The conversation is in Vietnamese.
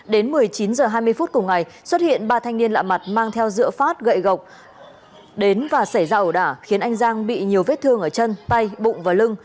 đến một mươi chín h hai mươi phút cùng ngày xuất hiện ba thanh niên lạ mặt mang theo dựa phát gậy gộc đến và xảy ra ẩu đả khiến anh giang bị nhiều vết thương ở chân tay bụng và lưng